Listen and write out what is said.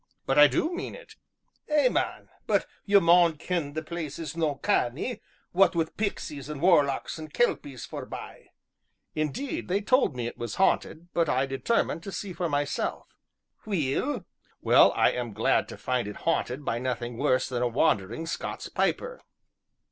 "But I do mean it," said I. "Eh, man! but ye maun ken the place is no canny, what wi' pixies, an' warlocks, an' kelpies, forbye " "Indeed, they told me it was haunted, but I determined to see for myself." "Weel?" "Well, I am glad to find it haunted by nothing worse than a wandering Scots piper."